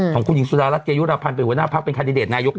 ของคุณหญิงสุดารัฐเกยุรพันธ์เป็นหัวหน้าพักเป็นคันดิเดตนายก